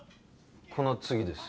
この次です。